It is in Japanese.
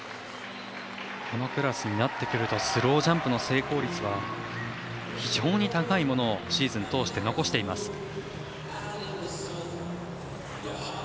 このクラスになってくるとスロージャンプの非常に高いものをシーズン通して成功率を残しています。